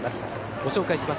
ご紹介します。